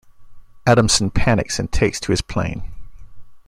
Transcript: Adamson panics and takes to his plane.